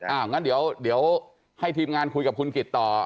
งั้นเดี๋ยวให้ทีมงานคุยกับคุณกิจต่อ